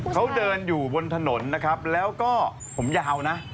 เขาเดินอยู่บนถนนนะครับแล้วก็ผมยาวนะ